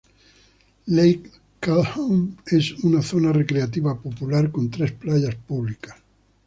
Lake Calhoun es una zona recreativa popular con tres playas públicas.